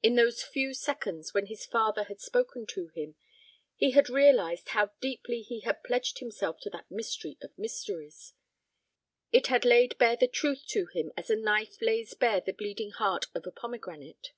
In those few seconds, when his father had spoken to him, he had realized how deeply he had pledged himself to that mystery of mysteries. It had laid bare the truth to him as a knife lays bare the bleeding heart of a pomegranate.